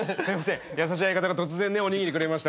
優しい相方が突然おにぎりくれました。